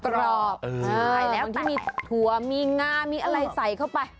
ที่มีถั่วมีงามีอะไรใส่เข้าไป